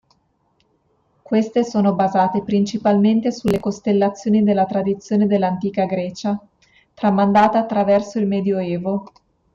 Queste sono basate principalmente sulle costellazioni della tradizione dell'antica Grecia, tramandate attraverso il Medioevo.